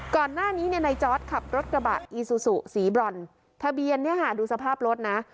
ก่อนหน้านี้ในจอร์ดขับรถกระบะอีซูซุสีบร่อนทะเบียนดูสภาพรถนะ